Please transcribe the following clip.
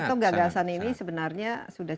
atau gagasan ini sebenarnya sudah